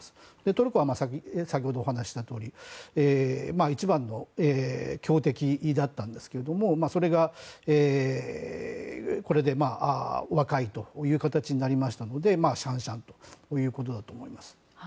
トルコは先ほどお話ししたとおり一番の強敵だったんですけどもそれが、これで和解という形になりましたのでしゃんしゃんということだと思います。